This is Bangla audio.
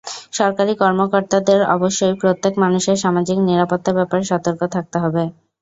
সরকারি কর্মকর্তাদের অবশ্যই প্রত্যেক মানুষের সামাজিক নিরাপত্তার ব্যাপারে সতর্ক থাকতে হবে।